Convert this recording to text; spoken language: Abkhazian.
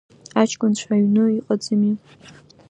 Аҷкәынцәа аҩны иҟаӡами?